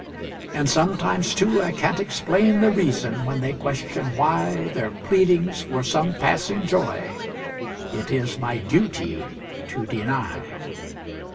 And sometimes, too, I can't explain the reason when they question why Their pleadings for some passing joy it is my duty to deny.